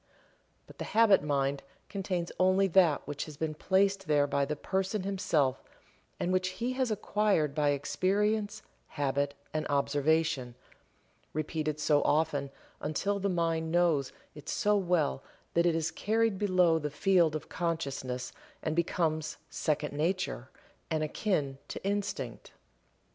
But the "Habit Mind" contains only that which has been placed there by the person himself and which he has acquired by experience, habit, and observation, repeated so often until the mind knows it so well that it is carried below the field of consciousness and becomes "second nature," and akin to Instinct.